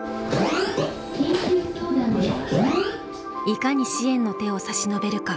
いかに支援の手を差し伸べるか。